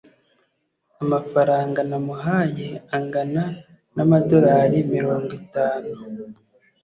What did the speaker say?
amafaranga namuhaye angana n'amadolari mirongo itanu ,